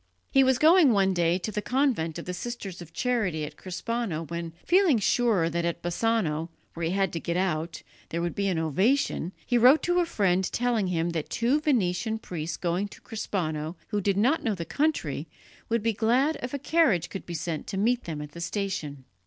He was going one day to the convent of the Sisters of Charity at Crespano when, feeling sure that at Bassano, where he had to get out, there would be an ovation, he wrote to a friend telling him that two Venetian priests going to Crespano who did not know the country would be glad if a carriage could be sent to meet them at the station.